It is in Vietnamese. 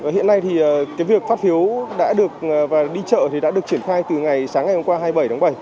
hiện nay thì cái việc phát phiếu đã được đi chợ thì đã được triển khai từ ngày sáng ngày hôm qua hai mươi bảy tháng bảy